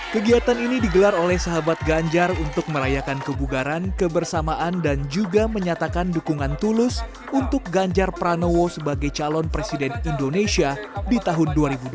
kegiatan ini digelar oleh sahabat ganjar untuk merayakan kebugaran kebersamaan dan juga menyatakan dukungan tulus untuk ganjar pranowo sebagai calon presiden indonesia di tahun dua ribu dua puluh